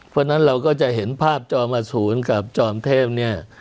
เพราะฉะนั้นเราก็จะเห็นภาพจอมอสูรกับจอมเทพเนี่ย